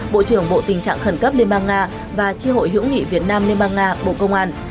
bộ trưởng bộ tình trạng khẩn cấp liên bang nga và tri hội hữu nghị việt nam liên bang nga bộ công an